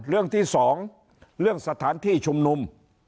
เรื่องที่สองเรื่องสถานที่ชุมนุม